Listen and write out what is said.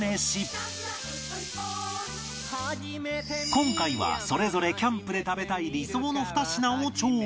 今回はそれぞれキャンプで食べたい理想の２品を調理